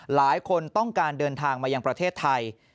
หลายคนต้องการเดินทางมายังประเทศไทย